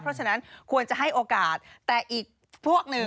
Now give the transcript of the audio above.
เพราะฉะนั้นควรจะให้โอกาสแต่อีกพวกหนึ่ง